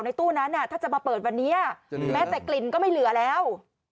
ตู้นั้นถ้าจะมาเปิดวันนี้แม้แต่กลิ่นก็ไม่เหลือแล้ว